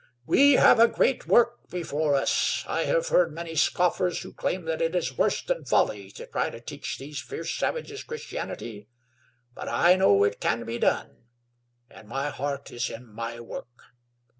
"We have a great work before us. I have heard many scoffers who claim that it is worse than folly to try to teach these fierce savages Christianity; but I know it can be done, and my heart is in the work.